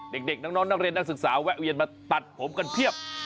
เด็กน้องนักเรียนนักศึกษาแวะเวียนมาตัดผมกันเพียบ